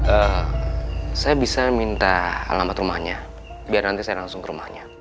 eee saya bisa minta alamat rumahnya biar nanti saya langsung ke rumahnya